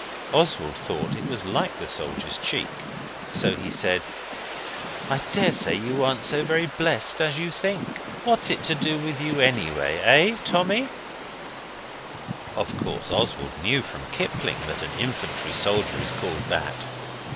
Oswald thought it was like the soldier's cheek, so he said 'I daresay you aren't so very blessed as you think. What's it to do with you, anyway, eh, Tommy?' Of course Oswald knew from Kipling that an infantry soldier is called that.